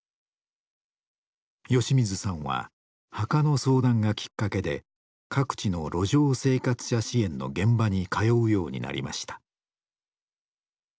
吉水さんは墓の相談がきっかけで各地の路上生活者支援の現場に通うようになりました。